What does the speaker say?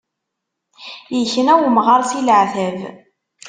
Yekna umɣar si leɛtab.